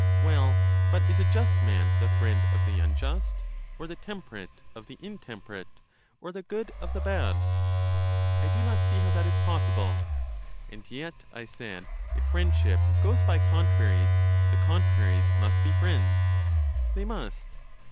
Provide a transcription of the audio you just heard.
Well, but is a just man the friend of the unjust, or the temperate of the intemperate, or the good of the bad? I do not see how that is possible. And yet, I said, if friendship goes by contraries, the contraries must be friends. They must.